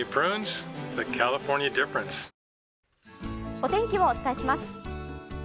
お天気をお伝えします。